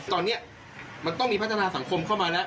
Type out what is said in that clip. ตอนนี้มันต้องมีพัฒนาสังคมเข้ามาแล้ว